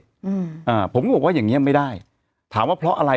อืมอ่าผมก็บอกว่าอย่างเงี้ยไม่ได้ถามว่าเพราะอะไร